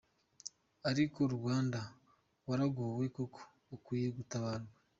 Ariko Rwanda waragowe koko; ukwiye gutabarwa.